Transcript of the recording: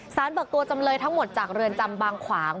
เบิกตัวจำเลยทั้งหมดจากเรือนจำบางขวาง